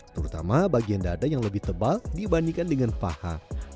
terutama bagian dada yang lebih tebal dibandingkan dengan paha